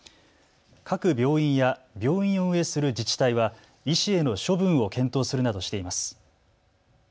各病院や病院を運営する自治体は医師への処分を検討するなどしています。